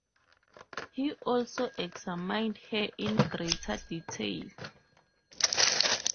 He also examined hair in greater detail.